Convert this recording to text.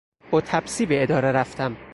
با تپسی به اداره رفتم.